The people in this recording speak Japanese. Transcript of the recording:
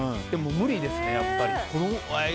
でも無理ですね、やっぱり。